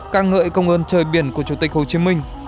ca ngợi công ơn trời biển của chủ tịch hồ chí minh